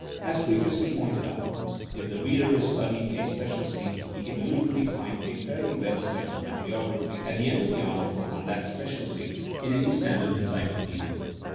As pre viously pointed out, if the reader is studying a specialty he can usually find a fairly well se lected bibliography at the end of the article on that specialty in any standard encyclopedia.